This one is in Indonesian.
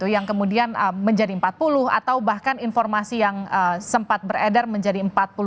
yang kemudian menjadi empat puluh atau bahkan informasi yang sempat beredar menjadi empat puluh lima